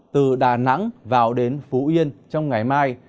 từ đà nẵng vào đến phú yên trong ngày mai